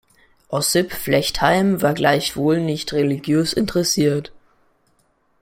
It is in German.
Ossip Flechtheim war gleichwohl nicht religiös interessiert.